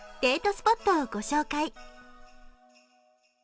スポットを御紹介。